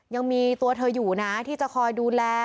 ยังมีตัวเธออยู่นะที่จะคอยดูแล